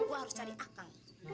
gua harus cari akal